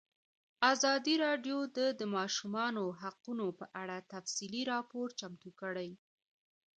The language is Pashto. ازادي راډیو د د ماشومانو حقونه په اړه تفصیلي راپور چمتو کړی.